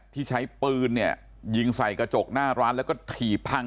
ที่ใช้ปืนเนี่ยยิงใส่กระจกหน้าร้านแล้วก็ถีบพัง